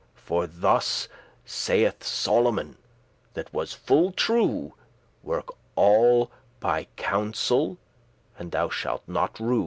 For thus saith Solomon, that was full true: Work all by counsel, and thou shalt not rue*.